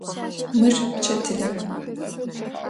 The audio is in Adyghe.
Мыр чэтылэп.